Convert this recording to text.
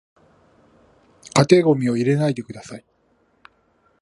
家庭ゴミを入れないでください